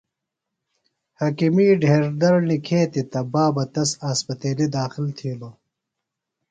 حکِیمی ڈھیر دڑ نِکھیتیۡ تہ بابہ تس اسپتیلیۡ داخل تِھیلوۡ۔